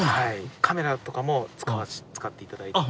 カメラとかも使って頂いて。